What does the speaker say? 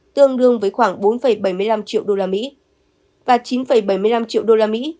tương đương với khoảng bốn bảy mươi năm triệu đô la mỹ và chín bảy mươi năm triệu đô la mỹ